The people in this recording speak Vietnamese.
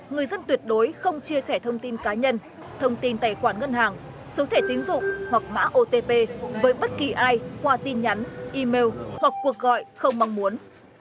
người dân tuyệt đối không chia sẻ thông tin cá nhân thông tin tài khoản ngân hàng số thể tín dụng hoặc mã otp với bất kỳ ai qua tin nhắn email hoặc cuộc gọi không mong muốn